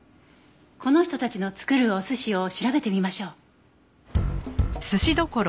この人たちの作るお寿司を調べてみましょう。